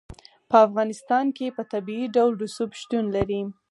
په افغانستان کې په طبیعي ډول رسوب شتون لري.